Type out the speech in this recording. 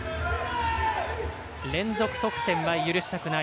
連続得点は許したくない。